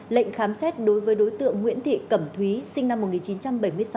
lệnh khám xét đối với đối tượng nguyễn thị cẩm thúy sinh năm một nghìn chín trăm bảy mươi sáu